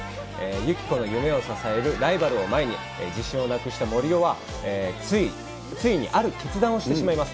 ユキコの夢を支えるライバルを前に、自信をなくした森生は、ついに、ある決断をしてしまいます。